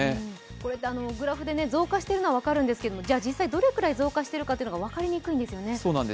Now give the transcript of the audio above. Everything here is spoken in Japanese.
こうやってグラフで増加しているのは分かるんですが実際どれぐらい増加しているのかっていうのが分かりにくいんですよね。